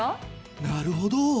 なるほど！